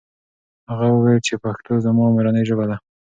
هغه وویل چې پښتو زما مورنۍ ژبه ده.